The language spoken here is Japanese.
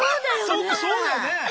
そっかそうだよねえ！